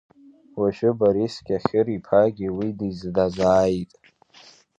Уажәы Борис Кьахьыриԥагьы уи дазааит.